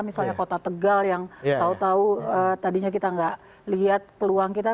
misalnya kota tegal yang tahu tahu tadinya kita nggak lihat peluang kita